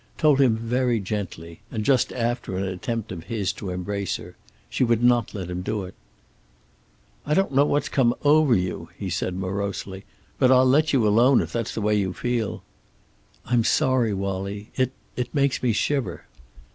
Told him very gently, and just after an attempt of his to embrace her. She would not let him do it. "I don't know what's come over you," he said morosely. "But I'll let you alone, if that's the way you feel." "I'm sorry, Wallie. It it makes me shiver."